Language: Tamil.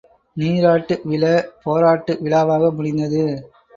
நீராட்டு விழ போராட்ட விழாவாக முடிந்தது.